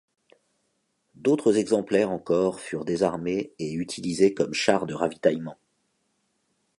D'autres exemplaires encore furent désarmés et utilisés comme chars de ravitaillement.